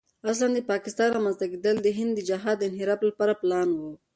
اصلاً د پاکستان رامنځته کېدل د هند د جهاد د انحراف لپاره پلان و.